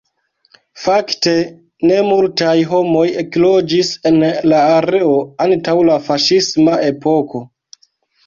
Fakte, ne multaj homoj ekloĝis en la areo antaŭ la faŝisma epoko.